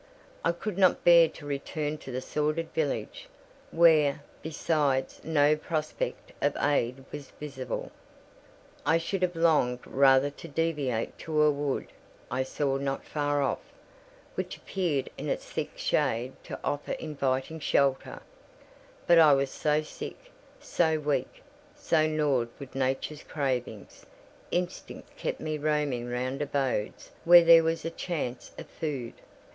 I could not bear to return to the sordid village, where, besides, no prospect of aid was visible. I should have longed rather to deviate to a wood I saw not far off, which appeared in its thick shade to offer inviting shelter; but I was so sick, so weak, so gnawed with nature's cravings, instinct kept me roaming round abodes where there was a chance of food.